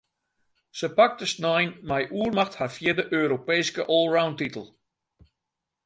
Se pakte snein mei oermacht har fjirde Europeeske allroundtitel.